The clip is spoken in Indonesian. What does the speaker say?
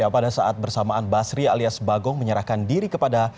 pada saat bersamaan basri alias bagong menyerahkan diri kepada